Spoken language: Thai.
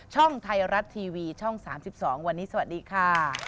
ช่องไทยรัฐทีวีช่อง๓๒วันนี้สวัสดีค่ะ